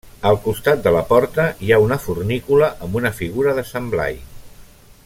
Al costat de la porta hi ha una fornícula amb una figura de Sant Blai.